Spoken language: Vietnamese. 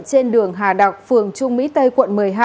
trên đường hà đặc phường trung mỹ tây quận một mươi hai